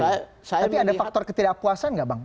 tapi ada faktor ketidakpuasan nggak bang